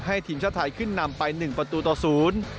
ทีมชาติไทยขึ้นนำไปหนึ่งประตูต่อศูนย์